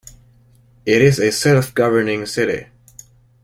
It is a self-governing city.